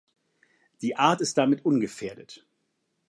Die Art ist damit ungefährdet.